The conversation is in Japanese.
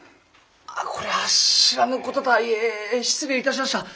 こりゃ知らぬこととはいえ失礼いたしました。